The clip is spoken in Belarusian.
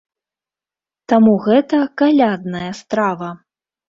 Таму гэта калядная страва.